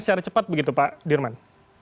secara cepat begitu pak dirman